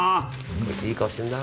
いい顔してんな。